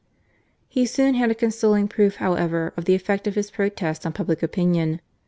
He soon had a consoling proof however of the effect of his protest on public opinion.